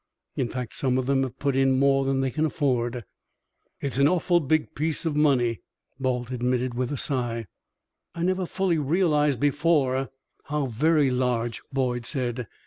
In fact, some of them have put in more than they can afford." "It's an awful big piece of money," Balt admitted, with a sigh. "I never fully realized before how very large," Boyd said.